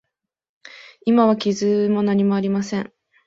今は傷も何もありません。